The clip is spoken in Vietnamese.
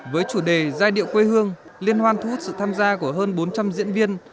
với chủ đề giai điệu quê hương liên hoan thu hút sự tham gia của hơn bốn trăm linh diễn viên